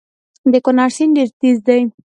د کونړ سیند ډیر تېز دی